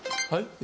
はい。